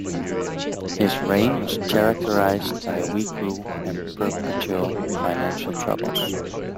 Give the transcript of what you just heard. His reign was characterized by weak rule and perpetual financial troubles.